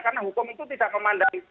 karena hukum itu tidak memandang